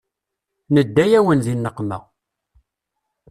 Nedda-yawen di nneqma.